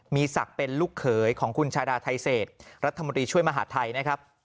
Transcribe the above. มีศักดิ์เป็นลูกเขยของคุณชาดาไทเศษรัฐมนตรีช่วยมหาดไทยนะครับ